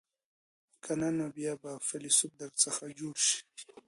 که نه نو بیا به فیلسوف در څخه جوړ شي.